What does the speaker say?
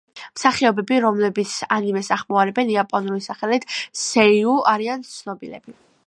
მსახიობები, რომლებიც ანიმეს ახმოვანებენ იაპონური სახელით „სეიუ“ არიან ცნობილები.